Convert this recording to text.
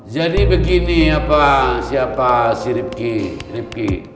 jadi begini siapa si ripki